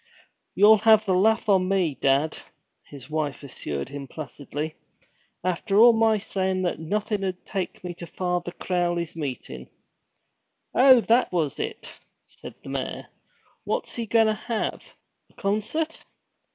'You'll have the laugh on me, dad,' his wife assured him placidly. 'After all my sayin' that nothing'd take me to Father Crowley's meetin'!' 'Oh, that was it?' said the mayor. 'What's he goin' to have a concert?'